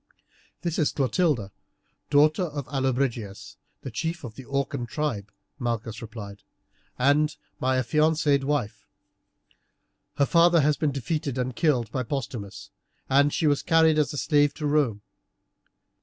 "This is Clotilde, daughter of Allobrigius, the chief of the Orcan tribe," Malchus replied, "and my affianced wife. Her father has been defeated and killed by Postumius, and she was carried as a slave to Rome.